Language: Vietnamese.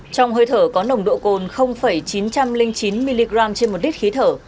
trong hơi thở có nồng độ cồn chín trăm linh chín mg trên một lít khí thở